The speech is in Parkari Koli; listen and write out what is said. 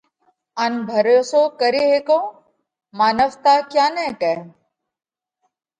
ان ڀروسو ڪري هيڪونه؟ مانَوَتا ڪيا نئہ ڪئه؟